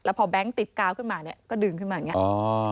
พอแบงค์ติดกาวขึ้นมาเนี่ยก็ดึงขึ้นมาอย่างนี้